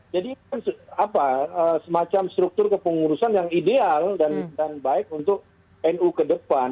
jadi semacam struktur kepengurusan yang ideal dan baik untuk nu ke depan